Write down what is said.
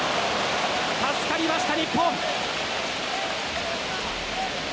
助かりました、日本。